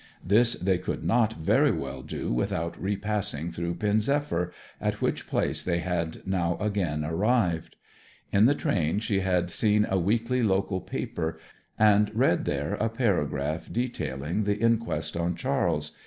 This they could not very well do without repassing through Pen zephyr, at which place they had now again arrived. In the train she had seen a weekly local paper, and read there a paragraph detailing the inquest on Charles.